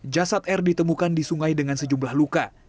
jasad r ditemukan di sungai dengan sejumlah luka